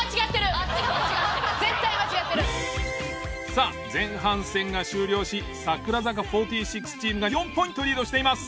さあ前半戦が終了し櫻坂４６チームが４ポイントリードしています。